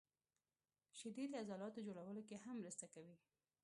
• شیدې د عضلاتو جوړولو کې هم مرسته کوي.